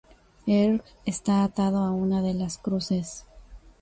Erg está atado a una de las cruces.